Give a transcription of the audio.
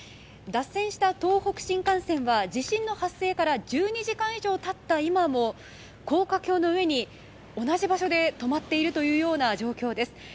脱線した東北新幹線は地震の発生から１２時間以上経った今も高架橋の上に同じ場所で止まっている状況です。